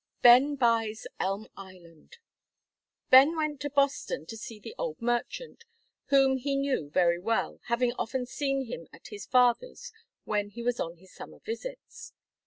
BEN BUYS ELM ISLAND. Ben went to Boston to see the old merchant, whom he knew very well, having often seen him at his father's when he was on his summer visits.